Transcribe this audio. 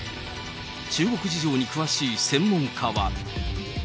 中国事情に詳しい専門家は。